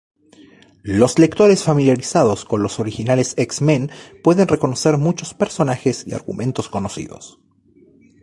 Los lectores familiarizados con los originales X-Men pueden reconocer muchos personajes y argumentos conocidos.